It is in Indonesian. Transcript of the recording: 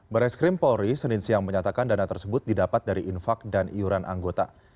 baris krim polri senin siang menyatakan dana tersebut didapat dari infak dan iuran anggota